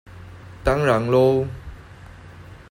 當然囉